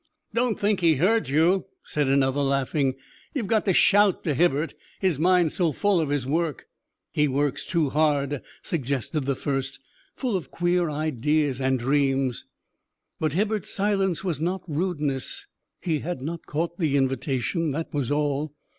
"Don't think he heard you," said another, laughing. "You've got to shout to Hibbert, his mind's so full of his work." "He works too hard," suggested the first, "full of queer ideas and dreams." But Hibbert's silence was not rudeness. He had not caught the invitation, that was all.